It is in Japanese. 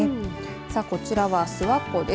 さあ、こちらは諏訪湖です。